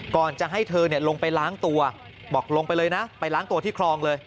ก่อนจะให้เธอลงไปล้างตัวบอกลงไปเลยนะไปล้างตัวที่คลองเลย